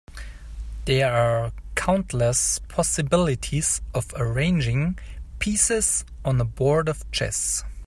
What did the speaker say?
There are countless possibilities of arranging pieces on a board of chess.